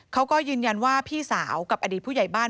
เขาก็ยืนยันว่าพี่สาวกับอดีตผู้ใหญ่บ้าน